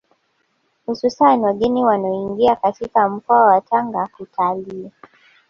Hususani wageni wanaoingia katika mkoa wa Tanga kutalii